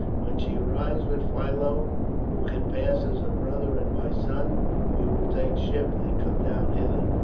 When she arrives with Philo, who can pass as her brother and my son, we will take ship and come down hither.